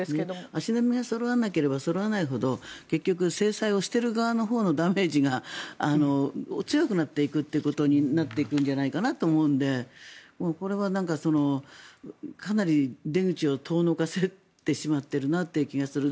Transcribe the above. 足並みがそろわなければそろわないほど制裁をしている側のダメージが強くなっていくということになっていくんじゃないかなと思うのでこれはかなり出口を遠のかせてしまっているなという気がする。